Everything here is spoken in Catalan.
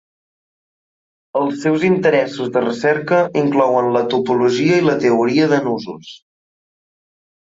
Els seus interessos de recerca inclouen la topologia i la teoria de nusos.